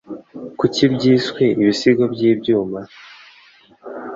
Kuki byiswe Ibisigo by'ibyuma?